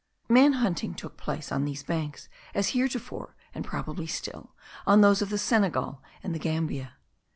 Man hunting took place on these banks, as heretofore (and probably still) on those of the Senegal and the Gambia.